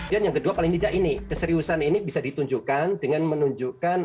dan yang kedua paling tidak ini keseriusan ini bisa ditunjukkan dengan menunjukkan